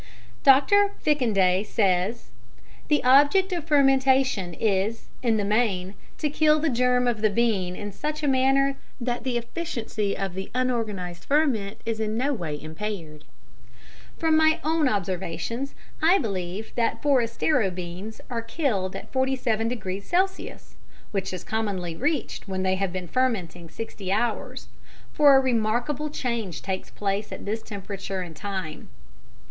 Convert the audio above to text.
Dr. Fickendey says: "The object of fermentation is, in the main, to kill the germ of the bean in such a manner that the efficiency of the unorganised ferment is in no way impaired." Philippine Journal of Science, 1917. From my own observations I believe that forastero beans are killed at 47 degrees C. (which is commonly reached when they have been fermenting 60 hours), for a remarkable change takes place at this temperature and time.